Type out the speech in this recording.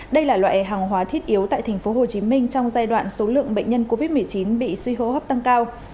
đây là loại hàng hóa thiết yếu tại tp hcm trong giai đoạn số lượng bệnh nhân covid một mươi chín bị suy hô hấp tăng cao